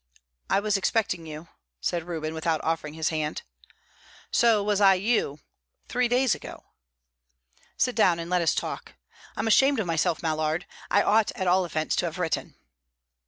"I was expecting you," said Reuben, without offering his hand. "So was I you three days ago." "Sit down, and let us talk. I'm ashamed of myself, Mallard. I ought at all events to have written."